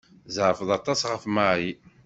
Tzeɛfeḍ aṭas ɣef Mary.